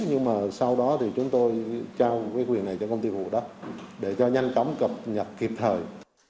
nhưng sau đó chúng tôi trao quyền này cho công ty phục vụ đất để cho nhanh chóng cập nhật kịp thời